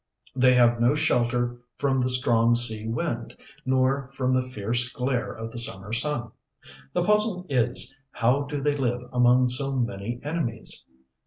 They have no shelter from the strong sea wind, nor from the fierce glare of the summer sun. The puzzle is, how do they live among so many enemies?